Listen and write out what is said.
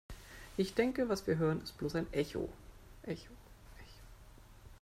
Ich denke, was wir hören, ist bloß ein Echo.